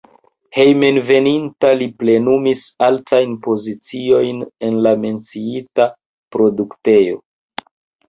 Hejmenveninta li plenumis altajn poziciojn en la menciita produktejo.